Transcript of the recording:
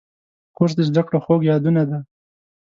کورس د زده کړو خوږ یادونه ده.